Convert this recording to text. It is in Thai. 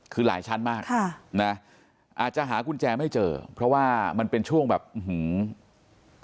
คือหลายชั้นมากค่ะนะอาจจะหากุญแจไม่เจอเพราะว่ามันเป็นช่วงแบบอื้อหือ